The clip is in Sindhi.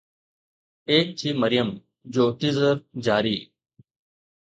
ايڪ ٿِي مريم جو ٽيزر جاري